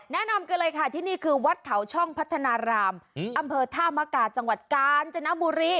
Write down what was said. แนะนำกันเลยค่ะที่นี่คือวัดเขาช่องพัฒนารามอำเภอท่ามกาจังหวัดกาญจนบุรี